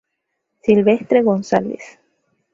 Silvestre González".